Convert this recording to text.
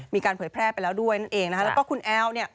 มีการเผยแพร่ไปแล้วด้วยแล้วก็คุณแอล